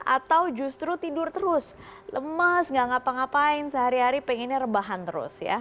atau justru tidur terus lemes nggak ngapa ngapain sehari hari pengennya rebahan terus ya